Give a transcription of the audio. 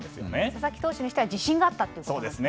佐々木投手にしたら自信があったということですね。